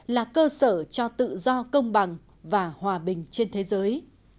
là cơ sở cho tự do công bằng và hòa bình trên thế giới